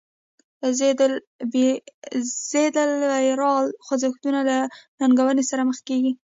ضد لیبرال خوځښتونه له ننګونې سره مخ کیږي.